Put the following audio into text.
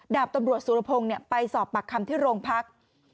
ดาบตำรวจสุรพงศ์ไปสอบปากคำที่โรงพัก